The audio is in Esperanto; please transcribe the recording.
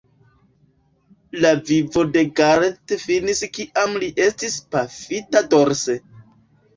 La vivo de Garrett finis kiam li estis pafita dorse.